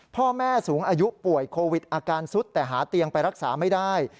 พ่อแม่สูงอายุป่วยโควิดอาการซุดแต่หาเตียงไปรักษาไม่ได้